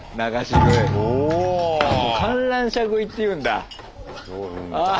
これ「観覧車食い」っていうんだ。